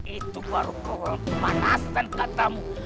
itu baru pemanasan katamu